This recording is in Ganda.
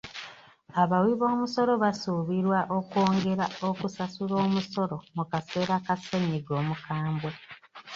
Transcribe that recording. Abawi b'omusolo basuubirwa okwongera okusasula omusolo mu kaseera ka ssennyiga omukambwe.